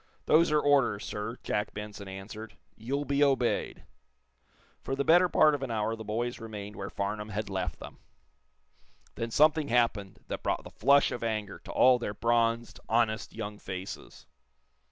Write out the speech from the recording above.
"Those are orders, sir," Jack Benson answered. "You'll be obeyed." For the better part of an hour the boys remained where Farnum had left them. Then something happened that brought the flush of anger to all their bronzed, honest young faces.